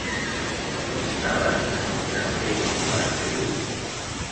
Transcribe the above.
S'instal·len en un castell per a fer-ho?